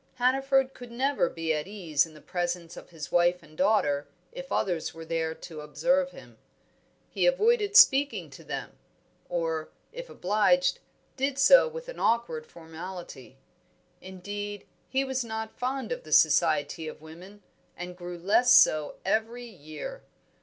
Hannaford could never be at ease in the presence of his wife and daughter if others were there to observe him; he avoided speaking to them, or, if obliged, did so with awkward formality. Indeed, he was not fond of the society of women, and grew less so every year.